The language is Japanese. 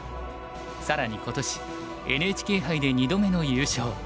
更に今年ＮＨＫ杯で２度目の優勝